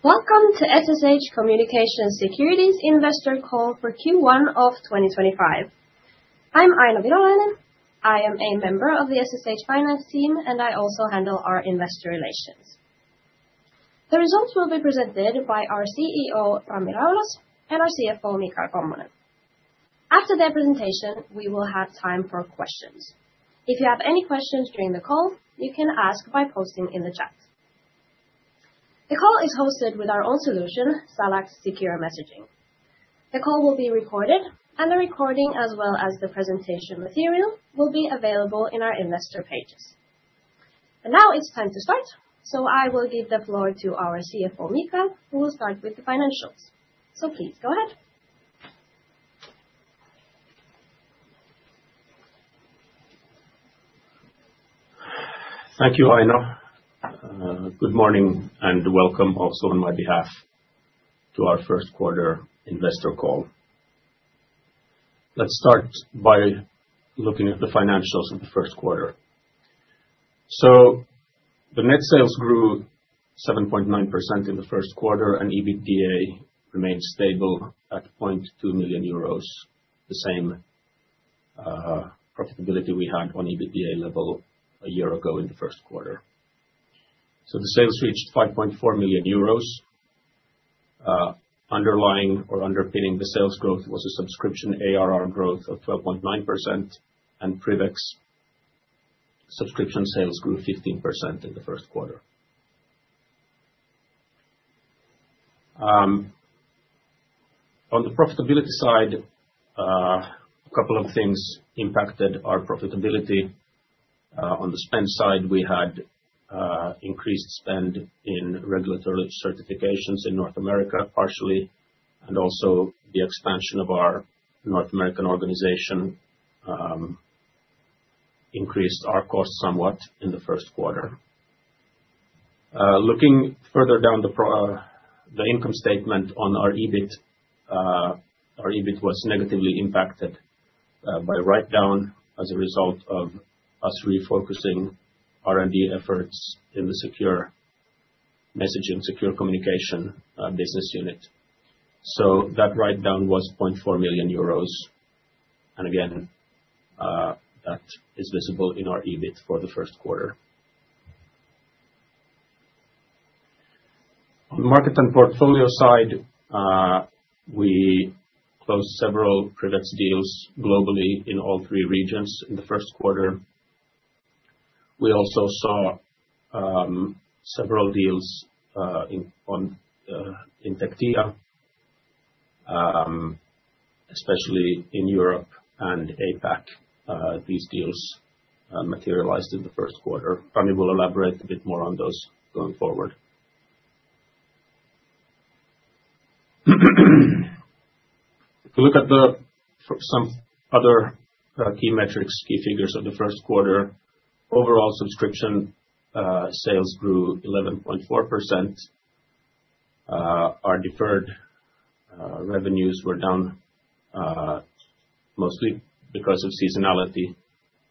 Welcome to SSH Communications Security's Investor Call for Q1 of 2025. I'm Aino Virolainen. I am a member of the SSH Finance team, and I also handle our investor relations. The results will be presented by our CEO, Rami Raulas, and our CFO, Michael Kommonen. After their presentation, we will have time for questions. If you have any questions during the call, you can ask by posting in the chat. The call is hosted with our own solution, SalaX Secure Messaging. The call will be recorded, and the recording, as well as the presentation material, will be available in our investor pages. Now it is time to start. I will give the floor to our CFO, Michael, who will start with the financials. Please go ahead. Thank you, Aino. Good morning and welcome also on my behalf to our first quarter investor call. Let's start by looking at the financials of the first quarter. The net sales grew 7.9% in the first quarter, and EBITDA remained stable at 0.2 million euros, the same profitability we had on EBITDA level a year ago in the first quarter. The sales reached 5.4 million euros. Underlying or underpinning the sales growth was a subscription ARR growth of 12.9%, and PrivX subscription sales grew 15% in the first quarter. On the profitability side, a couple of things impacted our profitability. On the spend side, we had increased spend in regulatory certifications in North America partially, and also the expansion of our North American organization increased our cost somewhat in the first quarter. Looking further down the income statement on our EBIT, our EBIT was negatively impacted by a write-down as a result of us refocusing R&D efforts in the secure messaging, secure communication business unit. That write-down was 0.4 million euros. Again, that is visible in our EBIT for the first quarter. On the market and portfolio side, we closed several PrivX deals globally in all three regions in the first quarter. We also saw several deals in Tectia, especially in Europe and APAC. These deals materialized in the first quarter. Rami will elaborate a bit more on those going forward. If we look at some other key metrics, key figures of the first quarter, overall subscription sales grew 11.4%. Our deferred revenues were down mostly because of seasonality,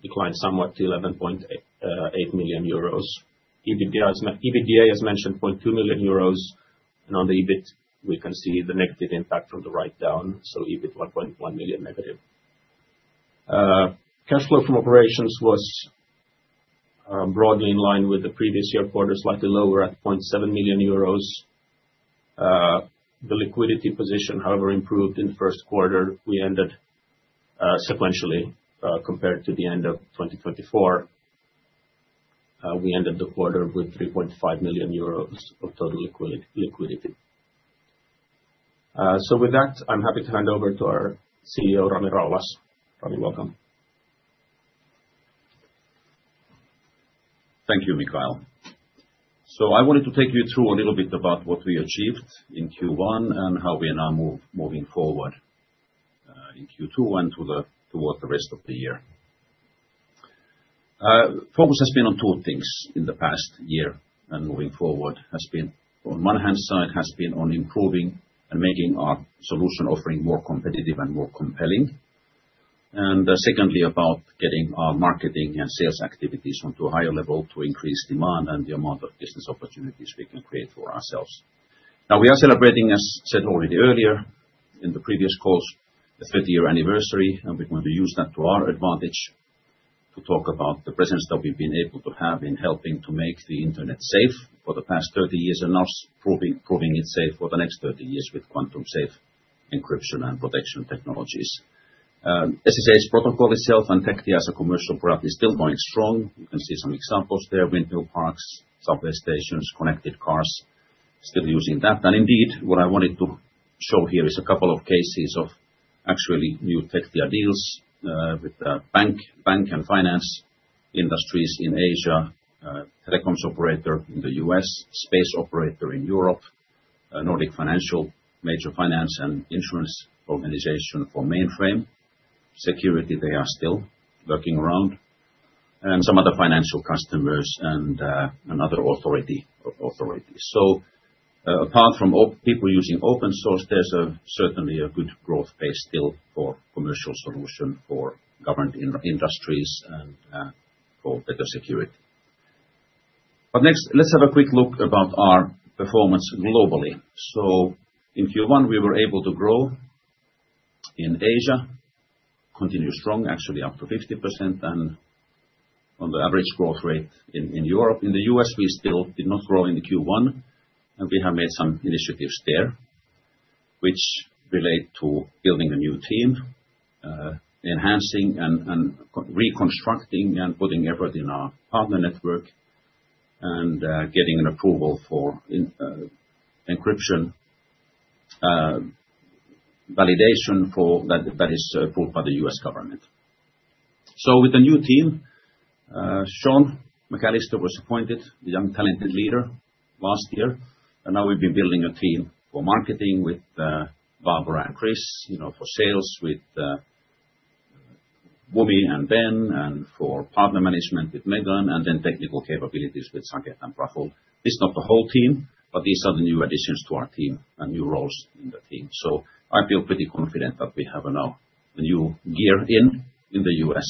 declined somewhat to 11.8 million euros. EBITDA is mentioned 0.2 million euros. On the EBIT, we can see the negative impact from the write-down. EBIT 1.1 million negative. Cash flow from operations was broadly in line with the previous year quarter, slightly lower at 0.7 million euros. The liquidity position, however, improved in the first quarter. We ended sequentially compared to the end of 2024. We ended the quarter with 3.5 million euros of total liquidity. With that, I'm happy to hand over to our CEO, Rami Raulas. Rami, welcome. Thank you, Michael. I wanted to take you through a little bit about what we achieved in Q1 and how we are now moving forward in Q2 and toward the rest of the year. Focus has been on two things in the past year and moving forward. On one hand side, has been on improving and making our solution offering more competitive and more compelling. Secondly, about getting our marketing and sales activities onto a higher level to increase demand and the amount of business opportunities we can create for ourselves. Now we are celebrating, as said already earlier in the previous calls, the 30-year anniversary, and we're going to use that to our advantage to talk about the presence that we've been able to have in helping to make the internet safe for the past 30 years and now proving it safe for the next 30 years with quantum-safe encryption and protection technologies. SSH protocol itself and Tectia as a commercial product is still going strong. You can see some examples there, windmill parks, subway stations, connected cars, still using that. Indeed, what I wanted to show here is a couple of cases of actually new Tectia deals with the bank and finance industries in Asia, telecoms operator in the U.S., space operator in Europe, Nordic financial, major finance and insurance organization for mainframe. Security, they are still working around. Some other financial customers and another authority. Apart from people using open source, there's certainly a good growth pace still for commercial solution for government industries and for better security. Next, let's have a quick look about our performance globally. In Q1, we were able to grow in Asia, continue strong, actually up to 50%, and on the average growth rate in Europe. In the U.S., we still did not grow in Q1, and we have made some initiatives there, which relate to building a new team, enhancing and reconstructing and putting effort in our partner network and getting an approval for encryption validation that is approved by the U.S. government. With the new team, Sean McAllister was appointed, the young talented leader last year. We have been building a team for marketing with Barbara and Chris, for sales with Wumi and Ben, and for partner management with Megan, and then technical capabilities with Saget and Rafal. This is not the whole team, but these are the new additions to our team and new roles in the team. I feel pretty confident that we have now a new gear in the US.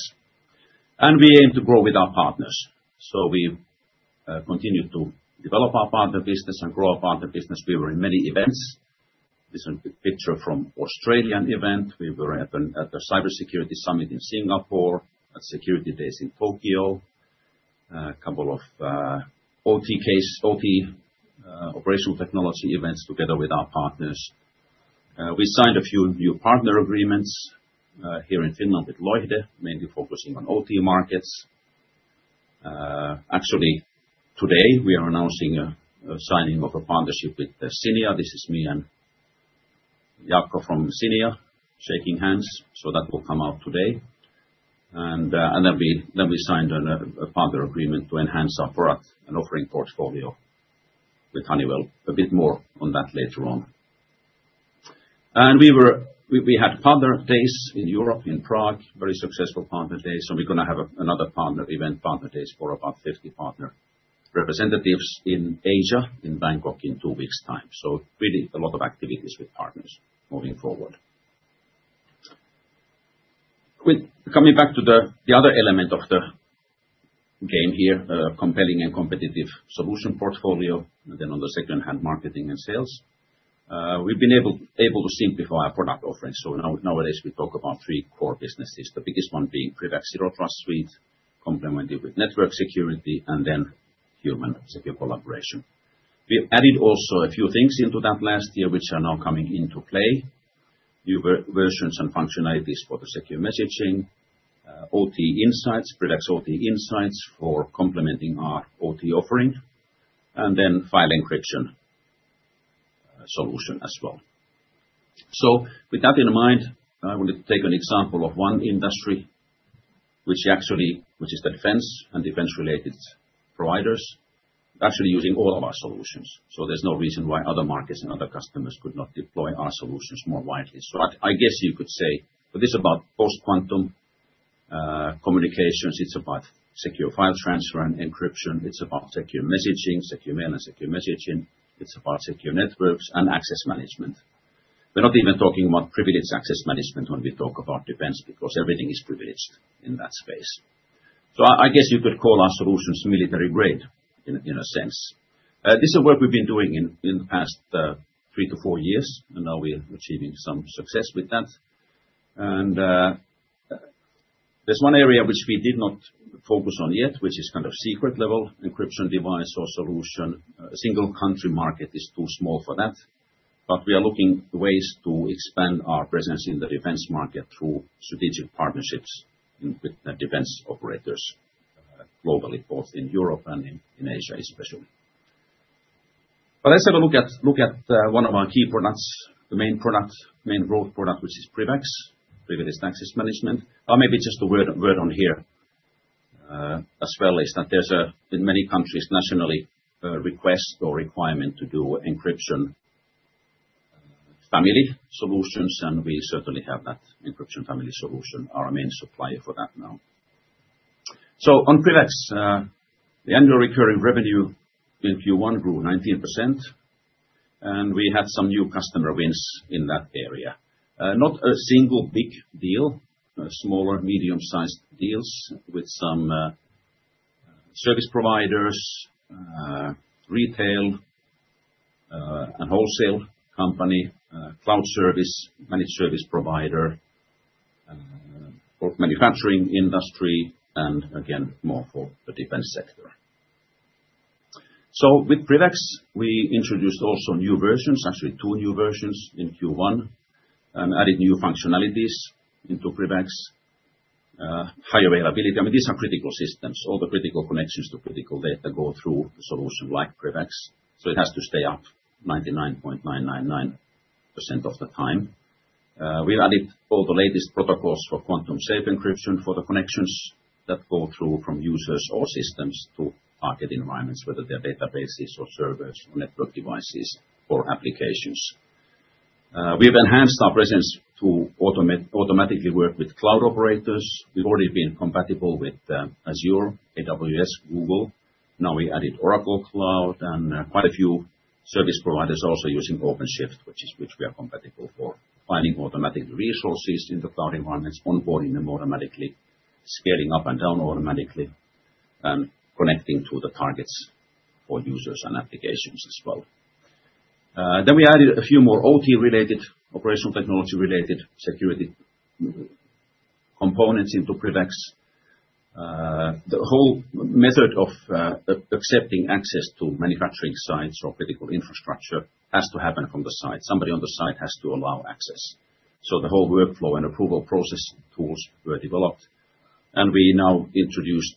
We aim to grow with our partners. We continue to develop our partner business and grow our partner business. We were in many events. This is a picture from an Australian event. We were at the cybersecurity summit in Singapore, at Security Days in Tokyo, a couple of OT operational technology events together with our partners. We signed a few new partner agreements here in Finland with Loihde, mainly focusing on OT markets. Actually, today we are announcing a signing of a partnership with Cinia. This is me and Jaakko from Cinia shaking hands. That will come out today. We signed a partner agreement to enhance our product and offering portfolio with Honeywell. A bit more on that later on. We had partner days in Europe, in Prague, very successful partner days. We are going to have another partner event, partner days for about 50 partner representatives in Asia in Bangkok in two weeks' time. Really a lot of activities with partners moving forward. Coming back to the other element of the game here, compelling and competitive solution portfolio, and then on the second hand, marketing and sales, we've been able to simplify our product offerings. Nowadays we talk about three core businesses, the biggest one being PrivX Zero Trust Suite, complemented with network security, and then human Secure Collaboration. We added also a few things into that last year, which are now coming into play, new versions and functionalities for the secure messaging, OT insights, PrivX OT Insights for complementing our OT offering, and then file encryption solution as well. With that in mind, I wanted to take an example of one industry, which is the defense and defense-related providers, actually using all of our solutions. There is no reason why other markets and other customers could not deploy our solutions more widely. I guess you could say, but this is about post-quantum communications. It's about secure file transfer and encryption. It's about Secure Messaging, Secure Mail and Secure Messaging. It's about secure networks and access management. We're not even talking about Privileged Access Management when we talk about defense, because everything is privileged in that space. I guess you could call our solutions military-grade in a sense. This is work we've been doing in the past three to four years, and now we're achieving some success with that. There's one area which we did not focus on yet, which is kind of secret level encryption device or solution. Single country market is too small for that. We are looking for ways to expand our presence in the defense market through strategic partnerships with defense operators globally, both in Europe and in Asia especially. Let's have a look at one of our key products, the main product, main growth product, which is PrivX, Privileged Access Management. I'll maybe just a word on here as well, is that there's in many countries nationally a request or requirement to do encryption family solutions, and we certainly have that encryption family solution, our main supplier for that now. On PrivX, the annual recurring revenue in Q1 grew 19%, and we had some new customer wins in that area. Not a single big deal, smaller, medium-sized deals with some service providers, retail and wholesale company, cloud service, managed service provider, manufacturing industry, and again, more for the defense sector. With PrivX we introduced also new versions, actually two new versions in Q1, and added new functionalities into PrivX. High Availability. I mean, these are critical systems. All the critical connections to critical data go through the solution like PrivX. It has to stay up 99.999% of the time. We've added all the latest protocols for quantum-safe encryption for the connections that go through from users or systems to target environments, whether they're databases or servers or network devices or applications. We've enhanced our presence to automatically work with cloud operators. We've already been compatible with Azure, AWS, Google. Now we added Oracle Cloud and quite a few service providers also using OpenShift, which we are compatible for, finding automatic resources in the cloud environments, onboarding them automatically, scaling up and down automatically, and connecting to the targets for users and applications as well. We added a few more OT-related, operational technology-related security components into PrivX. The whole method of accepting access to manufacturing sites or critical infrastructure has to happen from the side. Somebody on the side has to allow access. The whole workflow and approval process tools were developed. We now introduced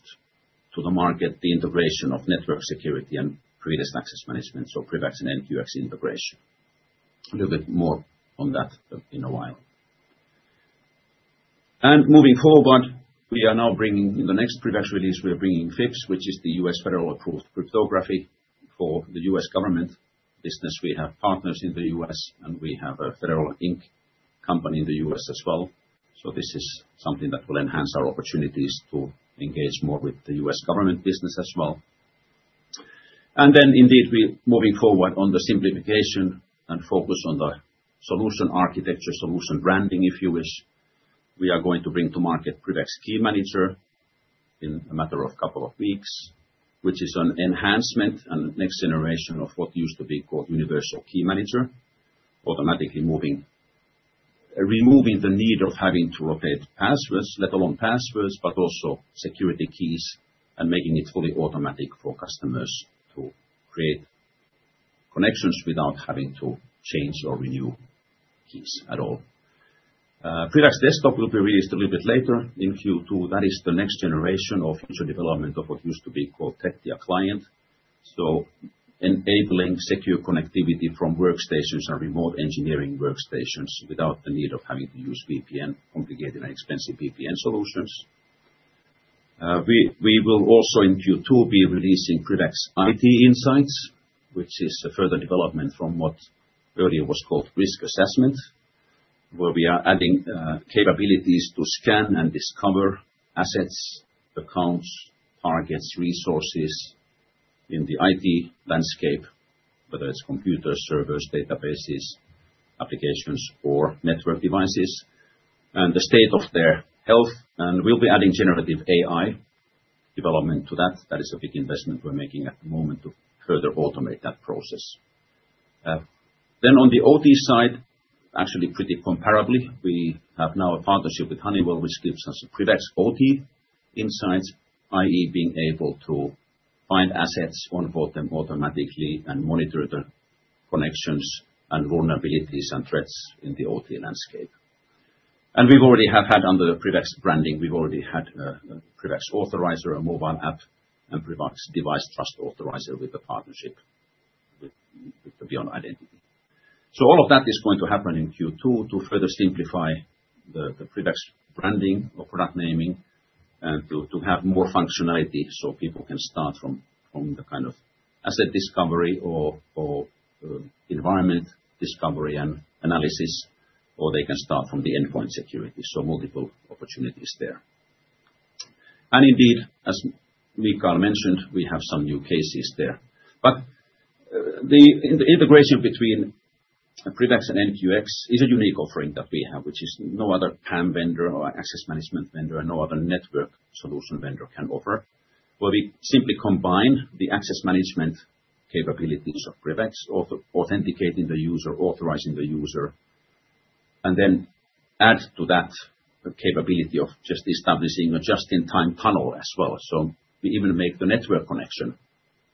to the market the integration of network security and Privileged Access Management, so PrivX and NQX integration. A little bit more on that in a while. Moving forward, we are now bringing in the next PrivX release, we are bringing FIPS, which is the U.S. federal approved cryptography for the U.S. government business. We have partners in the U.S., and we have a federal ink company in the U.S. as well. This is something that will enhance our opportunities to engage more with the U.S. government business as well. Indeed, moving forward on the simplification and focus on the solution architecture, solution branding, if you wish, we are going to bring to market PrivX Key Manager in a matter of a couple of weeks, which is an enhancement and next generation of what used to be called Universal Key Manager, automatically removing the need of having to rotate passwords, let alone passwords, but also security keys and making it fully automatic for customers to create connections without having to change or renew keys at all. PrivX Desktop will be released a little bit later in Q2. That is the next generation of future development of what used to be called Tectia Client. Enabling secure connectivity from workstations and remote engineering workstations without the need of having to use VPN, complicated and expensive VPN solutions. We will also in Q2 be releasing PrivX IT Insights, which is a further development from what earlier was called Risk Assessment, where we are adding capabilities to scan and discover assets, accounts, targets, resources in the IT landscape, whether it's computers, servers, databases, applications, or network devices, and the state of their health. We will be adding generative AI development to that. That is a big investment we're making at the moment to further automate that process. On the OT side, actually pretty comparably, we have now a partnership with Honeywell, which gives us PrivX OT Insights, i.e., being able to find assets, onboard them automatically, and monitor the connections and vulnerabilities and threats in the OT landscape. We've already had under the PrivX branding, we've already had a PrivX Authorizer, a mobile app, and PrivX Device Trust Authorizer with the partnership with Beyond Identity. All of that is going to happen in Q2 to further simplify the PrivX branding or product naming and to have more functionality so people can start from the kind of asset discovery or environment discovery and analysis, or they can start from the endpoint security. Multiple opportunities there. Indeed, as Michael mentioned, we have some new cases there. The integration between PrivX and NQX is a unique offering that we have, which no other PAM vendor or access management vendor and no other network solution vendor can offer, where we simply combine the access management capabilities of PrivX, authenticating the user, authorizing the user, and then add to that capability of just establishing a just-in-time tunnel as well. We even make the network connection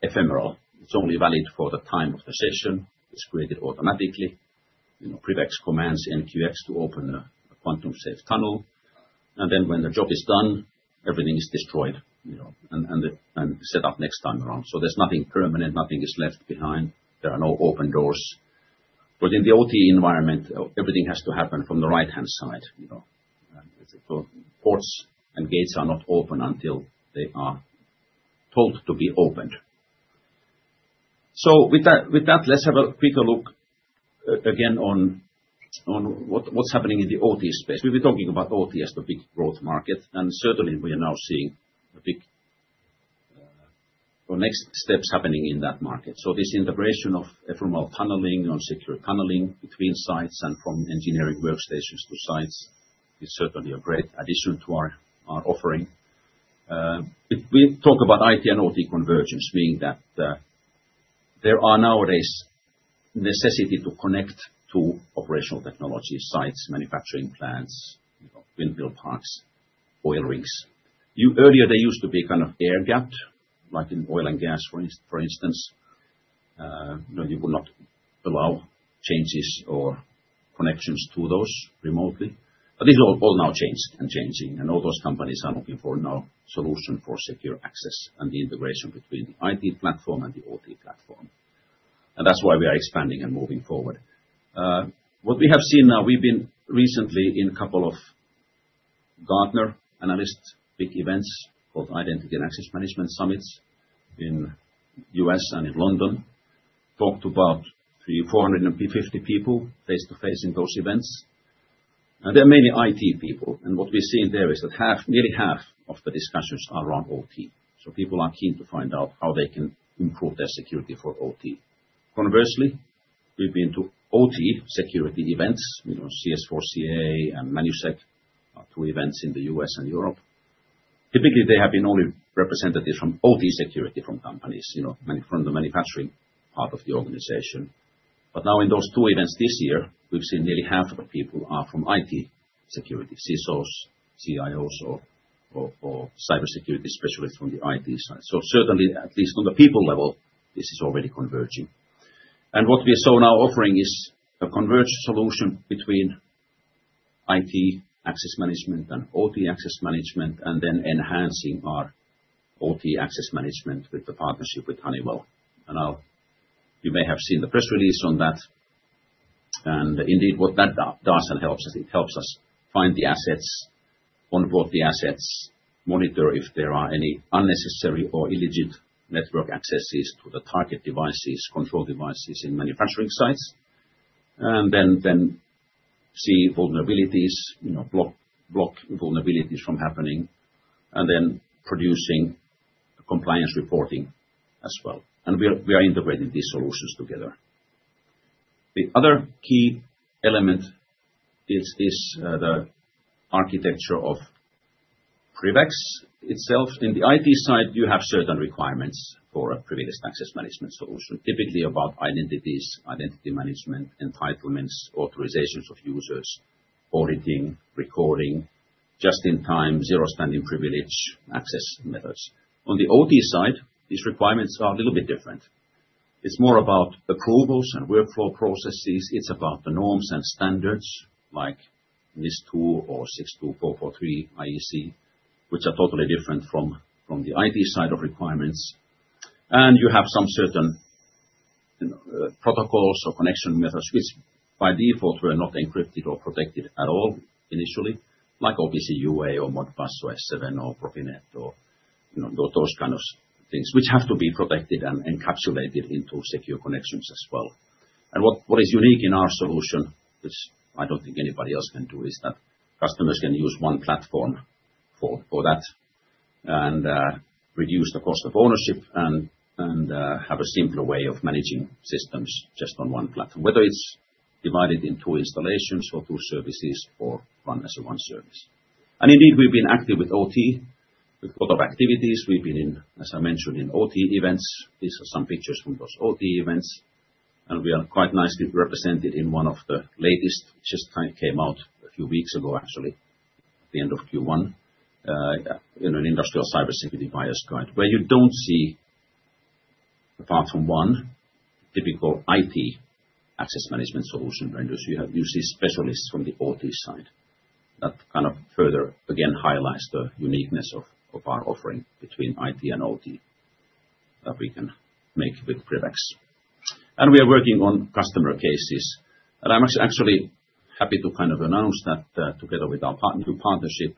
ephemeral. It's only valid for the time of the session. It's created automatically. PrivX commands NQX to open a quantum-safe tunnel. When the job is done, everything is destroyed and set up next time around. There is nothing permanent. Nothing is left behind. There are no open doors. In the OT environment, everything has to happen from the right-hand side. Ports and gates are not open until they are told to be opened. With that, let's have a quick look again on what's happening in the OT space. We've been talking about OT as the big growth market, and certainly we are now seeing the next steps happening in that market. This integration of ephemeral tunneling and secure tunneling between sites and from engineering workstations to sites is certainly a great addition to our offering. We talk about IT and OT convergence, meaning that there are nowadays necessity to connect to operational technology sites, manufacturing plants, windmill parks, oil rigs. Earlier, they used to be kind of air-gapped, like in oil and gas, for instance. You could not allow changes or connections to those remotely. This has all now changed and changing, and all those companies are looking for now solution for secure access and the integration between the IT platform and the OT platform. That is why we are expanding and moving forward. What we have seen now, we've been recently in a couple of Gartner analyst big events, called Identity & Access Management Summits in the U.S. and in London, talked about 450 people face-to-face in those events. They are mainly IT people. What we've seen there is that nearly half of the discussions are around OT. People are keen to find out how they can improve their security for OT. Conversely, we've been to OT security events, CS4CA and ManuSec, two events in the U.S. and Europe. Typically, they have been only representatives from OT security from companies, from the manufacturing part of the organization. Now in those two events this year, we've seen nearly half of the people are from IT security, CSOs, CIOs, or cybersecurity specialists from the IT side. Certainly, at least on the people level, this is already converging. What we are now offering is a converged solution between IT Access Management and OT Access Management, and then enhancing our OT Access Management with the partnership with Honeywell. You may have seen the press release on that. Indeed, what that does and helps us, it helps us find the assets, onboard the assets, monitor if there are any unnecessary or illegit network accesses to the target devices, control devices in manufacturing sites, and then see vulnerabilities, block vulnerabilities from happening, and then producing compliance reporting as well. We are integrating these solutions together. The other key element is the architecture of PrivX itself. In the IT side, you have certain requirements for a Privileged Access Management solution, typically about identities, identity management, entitlements, authorizations of users, auditing, recording, just-in-time, zero-standing privilege access methods. On the OT side, these requirements are a little bit different. It is more about approvals and workflow processes. It is about the norms and standards like NIS2 or IEC 62443, which are totally different from the IT side of requirements. You have some certain protocols or connection methods which by default were not encrypted or protected at all initially, like OPC UA or Modbus or S7 or PROV.NET or those kinds of things, which have to be protected and encapsulated into secure connections as well. What is unique in our solution, which I do not think anybody else can do, is that customers can use one platform for that and reduce the cost of ownership and have a simpler way of managing systems just on one platform, whether it is divided into installations or two services or run as one service. Indeed, we have been active with OT, with a lot of activities. We have been, as I mentioned, in OT events. These are some pictures from those OT events. We are quite nicely represented in one of the latest, which just came out a few weeks ago, actually, at the end of Q1, an industrial cybersecurity bias guide, where you do not see, apart from one, typical IT Access Management solution vendors. You see specialists from the OT side. That kind of further, again, highlights the uniqueness of our offering between IT and OT that we can make with PrivX. We are working on customer cases. I am actually happy to kind of announce that together with our new partnership,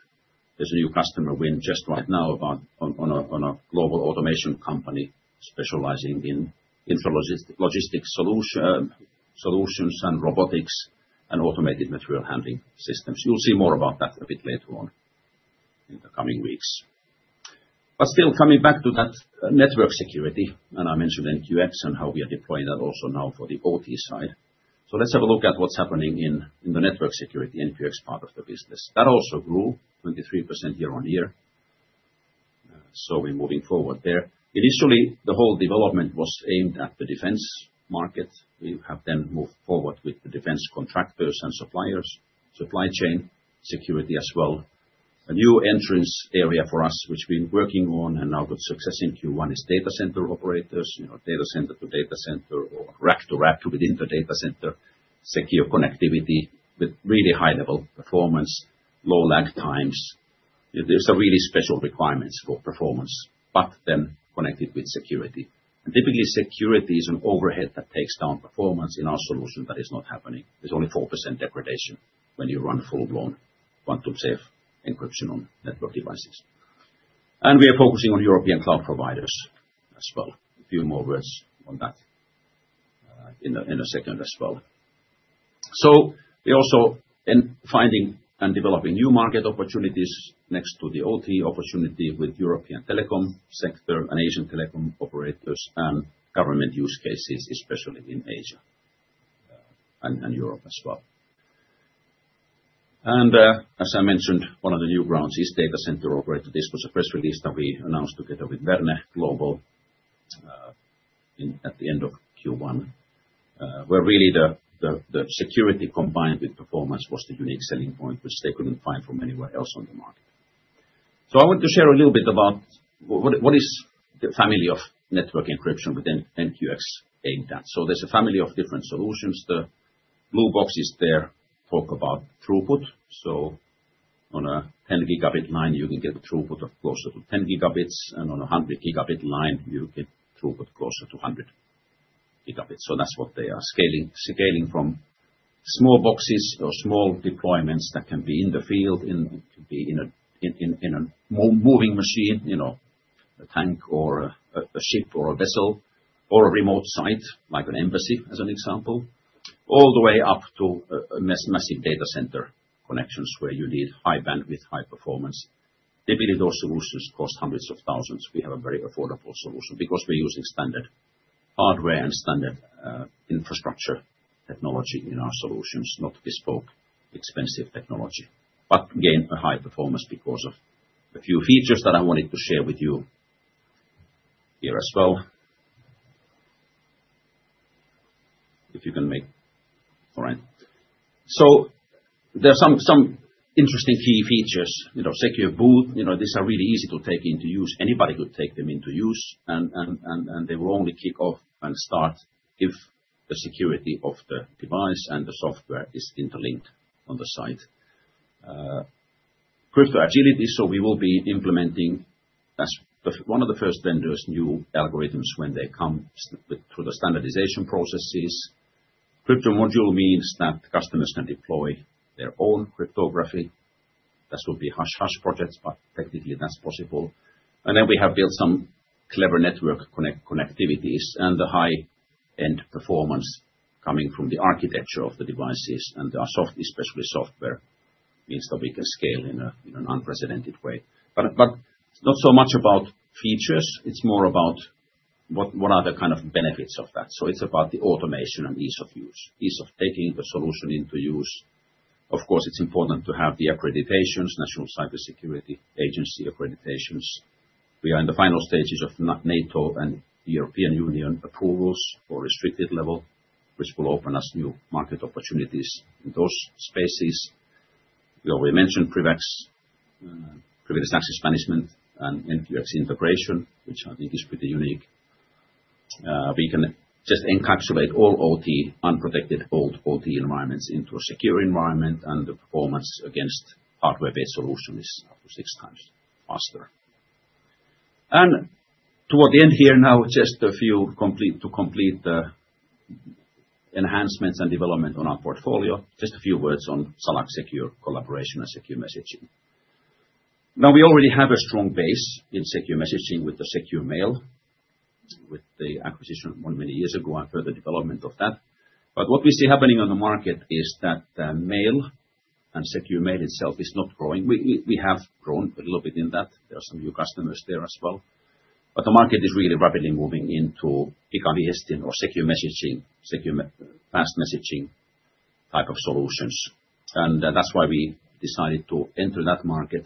there is a new customer win just right now about a global automation company specializing in logistics solutions and robotics and automated material handling systems. You will see more about that a bit later on in the coming weeks. Still, coming back to that network security, and I mentioned NQX and how we are deploying that also now for the OT side. Let's have a look at what's happening in the network security, NQX part of the business. That also grew 23% year-on-year. We're moving forward there. Initially, the whole development was aimed at the defense market. We have then moved forward with the defense contractors and suppliers, supply chain security as well. A new entrance area for us, which we've been working on and now got success in Q1, is data center operators, data center to data center or rack to rack within the data center, secure connectivity with really high-level performance, low lag times. There's a really special requirement for performance, but then connected with security. Typically, security is an overhead that takes down performance. In our solution that is not happening. There is only 4% degradation when you run full-blown quantum-safe encryption on network devices. We are focusing on European cloud providers as well. A few more words on that in a second as well. We are also finding and developing new market opportunities next to the OT opportunity with the European telecom sector and Asian telecom operators and government use cases, especially in Asia and Europe as well. As I mentioned, one of the new grounds is Data Center Operator. This was a press release that we announced together with Verne Global at the end of Q1, where really the security combined with performance was the unique selling point, which they could not find from anywhere else on the market. I want to share a little bit about what is the family of network encryption with NQX aimed at. There is a family of different solutions. The blue box is there to talk about throughput. On a 10-Gb line, you can get a throughput of closer to 10 Gb, and on a 100-Gb line, you get throughput closer to 100 Gb. That is what they are scaling from small boxes or small deployments that can be in the field, in a moving machine, a tank or a ship or a vessel, or a remote site like an embassy as an example, all the way up to massive data center connections where you need high bandwidth, high performance. Typically, those solutions cost hundreds of thousands. We have a very affordable solution because we're using standard hardware and standard infrastructure technology in our solutions, not bespoke, expensive technology, but gain a high performance because of a few features that I wanted to share with you here as well. If you can make all right. There are some interesting key features. Secure Boot, these are really easy to take into use. Anybody could take them into use, and they will only kick off and start if the security of the device and the software is interlinked on the site. Crypto Agility, we will be implementing one of the first vendors' new algorithms when they come through the standardization processes. Crypto Module means that customers can deploy their own cryptography. That would be hush-hush projects, but technically that's possible. We have built some clever network connectivities and the high-end performance coming from the architecture of the devices. Our software, especially software, means that we can scale in an unprecedented way. Not so much about features. It is more about what are the kind of benefits of that. It is about the automation and ease of use, ease of taking the solution into use. Of course, it is important to have the accreditations, National Cyber Security Agency accreditations. We are in the final stages of NATO and European Union approvals for restricted level, which will open us new market opportunities in those spaces. We already mentioned PrivX, Privileged Access Management, and NQX integration, which I think is pretty unique. We can just encapsulate all OT, unprotected old OT environments into a secure environment, and the performance against hardware-based solutions is up to six times faster. Toward the end here now, just a few to complete the enhancements and development on our portfolio. Just a few words on SalaX Secure Collaboration and Secure Messaging. We already have a strong base in Secure Messaging with the Secure Mail, with the acquisition many years ago and further development of that. What we see happening on the market is that the Mail and Secure Mail itself is not growing. We have grown a little bit in that. There are some new customers there as well. The market is really rapidly moving into pick-up or Secure Messaging, secure fast messaging type of solutions. That is why we decided to enter that market.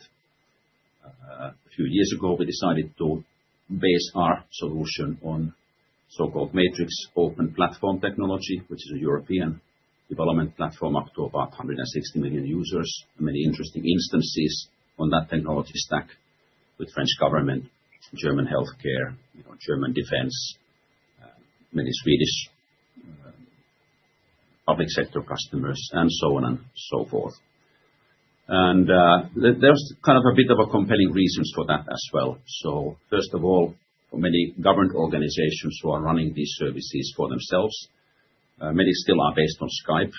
A few years ago, we decided to base our solution on so-called Matrix Open Platform technology, which is a European development platform up to about 160 million users, many interesting instances on that technology stack with French government, German healthcare, German defense, many Swedish public sector customers, and so on and so forth. There is kind of a bit of a compelling reason for that as well. First of all, for many government organizations who are running these services for themselves, many still are based on Skype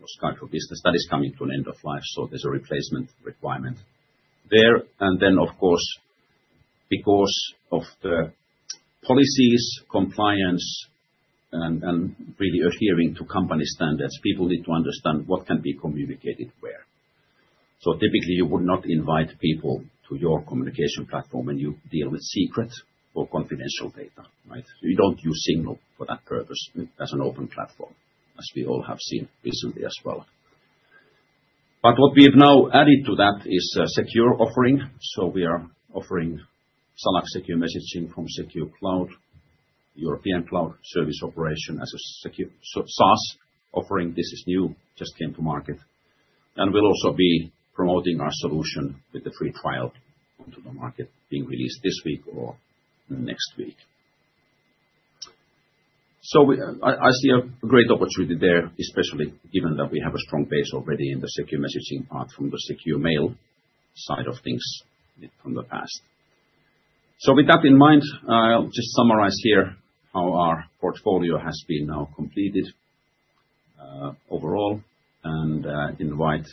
or Skype for Business. That is coming to an end of life, so there is a replacement requirement there. Of course, because of the policies, compliance, and really adhering to company standards, people need to understand what can be communicated where. Typically, you would not invite people to your communication platform when you deal with secrets or confidential data, right? You don't use Signal for that purpose as an open platform, as we all have seen recently as well. What we have now added to that is a secure offering. We are offering SalaX Secure Messaging from Secure Cloud, European Cloud Service Operation as a SaaS offering. This is new, just came to market. We will also be promoting our solution with the free trial onto the market, being released this week or next week. I see a great opportunity there, especially given that we have a strong base already in the Secure Messaging part from the Secure Mail side of things from the past. With that in mind, I'll just summarize here how our portfolio has been now completed overall and invite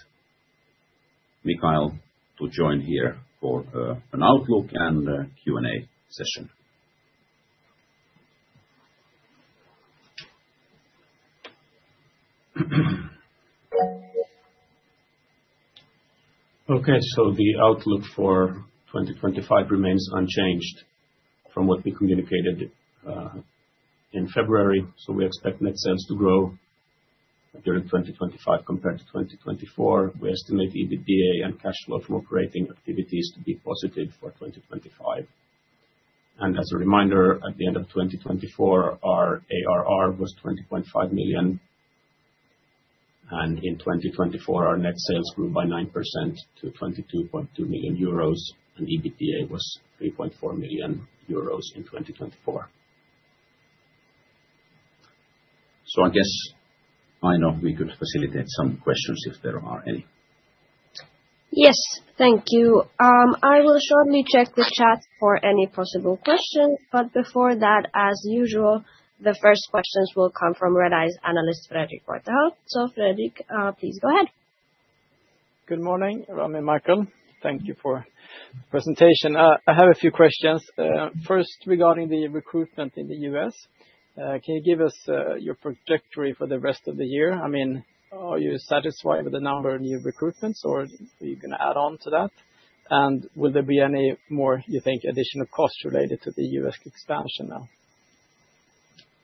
Michael to join here for an outlook and Q&A session. Okay, the outlook for 2025 remains unchanged from what we communicated in February. We expect net sales to grow during 2025 compared to 2024. We estimate EBITDA and cash flow from operating activities to be positive for 2025. As a reminder, at the end of 2024, our ARR was 20.5 million. In 2024, our net sales grew by 9% to 22.2 million euros, and EBITDA was 3.4 million euros in 2024. I guess I know we could facilitate some questions if there are any. Yes, thank you. I will shortly check the chat for any possible questions. As usual, the first questions will come from Redeye's analyst, Fredrik Reuterhäll. Fredrik, please go ahead. Good morning. Rami and Michael, thank you for the presentation. I have a few questions. First, regarding the recruitment in the U.S., can you give us your trajectory for the rest of the year? I mean, are you satisfied with the number of new recruitments, or are you going to add on to that? Will there be any more, you think, additional costs related to the U.S. expansion now?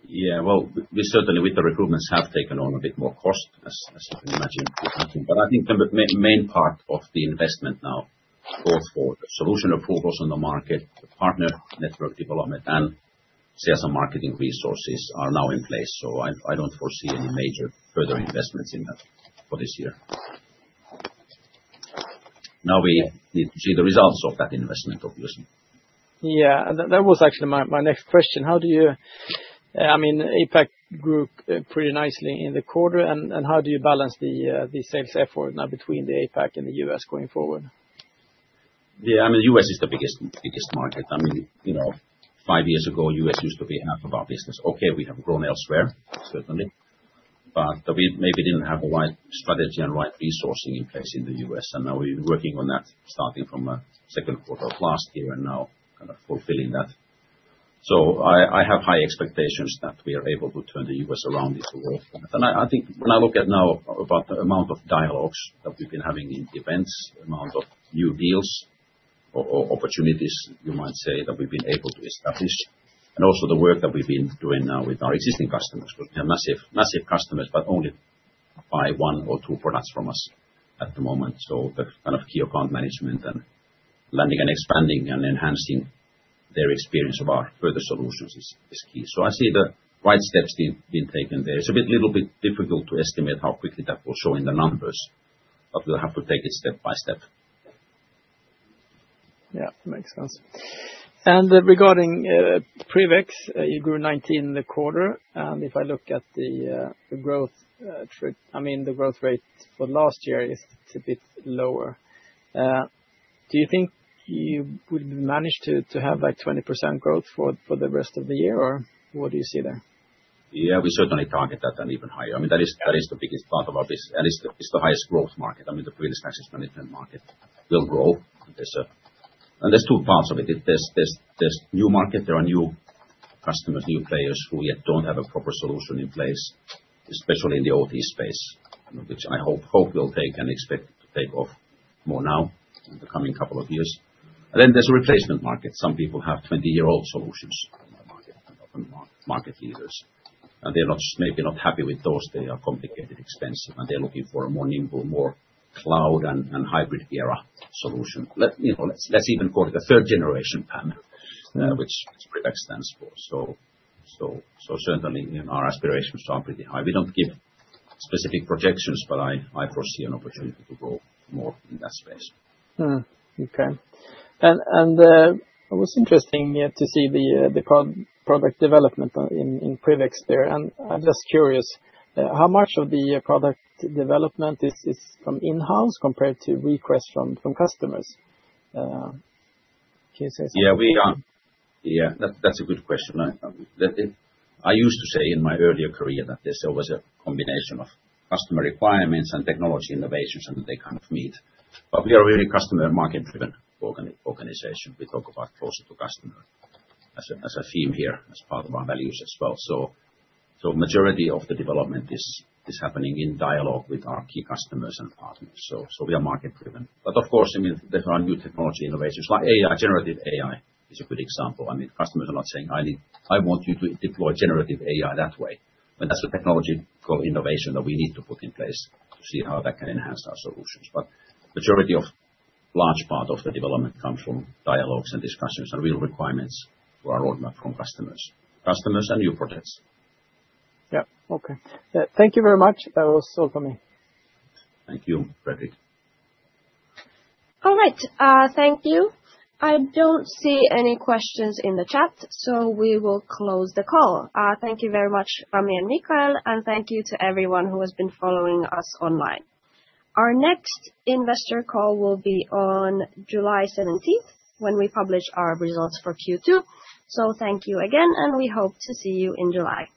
Yeah, certainly with the recruitments have taken on a bit more cost, as you can imagine. I think the main part of the investment now goes for the solution of focus on the market, the partner network development, and sales and marketing resources are now in place. I do not foresee any major further investments in that for this year. Now we need to see the results of that investment, obviously. Yeah, that was actually my next question. How do you—I mean, APAC grew pretty nicely in the quarter. How do you balance the sales effort now between the APAC and the U.S. going forward? Yeah, I mean, the U.S. is the biggest market. I mean, five years ago, the U.S. used to be half of our business. Okay, we have grown elsewhere, certainly. We maybe did not have the right strategy and right resourcing in place in the U.S. Now we are working on that, starting from the second quarter of last year and now kind of fulfilling that. I have high expectations that we are able to turn the U.S. around this world. I think when I look at now about the amount of dialogues that we've been having in the events, the amount of new deals or opportunities, you might say, that we've been able to establish, and also the work that we've been doing now with our existing customers, because we have massive customers, but only buy one or two products from us at the moment. The kind of key account management and landing and expanding and enhancing their experience of our further solutions is key. I see the right steps being taken there. It's a little bit difficult to estimate how quickly that will show in the numbers, but we'll have to take it step by step. Yeah, makes sense. Regarding PrivX, you grew 19% in the quarter. If I look at the growth, I mean, the growth rate for last year is a bit lower. Do you think you would manage to have like 20% growth for the rest of the year, or what do you see there? Yeah, we certainly target that and even higher. I mean, that is the biggest part of our business. It is the highest growth market. I mean, the Privileged Access Management market will grow. There are two parts of it. There is new market. There are new customers, new players who yet do not have a proper solution in place, especially in the OT space, which I hope will take and expect to take off more now in the coming couple of years. There is a replacement market. Some people have 20-year-old solutions in the market and other market leaders. They are maybe not happy with those. They are complicated, expensive, and they're looking for a more nimble, more cloud and hybrid era solution. Let's even call it a third-generation PAM, which PrivX stands for. Certainly, our aspirations are pretty high. We don't give specific projections, but I foresee an opportunity to grow more in that space. Okay. It was interesting to see the product development in PrivX there. I'm just curious, how much of the product development is from in-house compared to requests from customers? Can you say something? Yeah, that's a good question. I used to say in my earlier career that there's always a combination of customer requirements and technology innovations, and they kind of meet. We are a really customer and market-driven organization. We talk about closer to customer as a theme here, as part of our values as well. The majority of the development is happening in dialogue with our key customers and partners. We are market-driven. Of course, there are new technology innovations like AI. Generative AI is a good example. I mean, customers are not saying, "I want you to deploy generative AI that way." That is a technological innovation that we need to put in place to see how that can enhance our solutions. The majority of a large part of the development comes from dialogues and discussions and real requirements for our roadmap from customers, customers and new projects. Yeah, okay. Thank you very much. That was all for me. Thank you, Fredrik. All right. Thank you. I do not see any questions in the chat, so we will close the call. Thank you very much, Rami and Michael, and thank you to everyone who has been following us online. Our next investor call will be on July 17th when we publish our results for Q2. Thank you again, and we hope to see you in July.